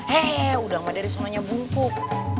he udang mah dari semuanya bungkuk